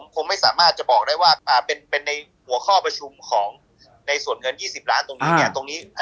ผมไม่สามารถจะบอกได้ว่าเป็นในหัวข้อประชุมในส่วนเงิน๒๐ล้านตรงนี้